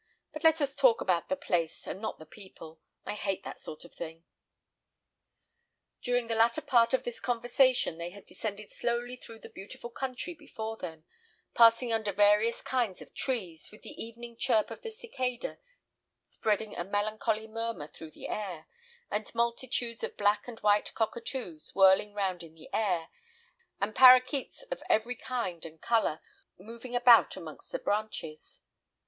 But let us talk about the place, and not the people. I hate that sort of thing." During the latter part of this conversation they had descended slowly through the beautiful country before them, passing under various kinds of trees, with the evening chirp of the cicada spreading a melancholy murmur through the air, and multitudes of black and white cockatoos whirling round in the air, and parroquets of every kind and colour moving about amongst the branches.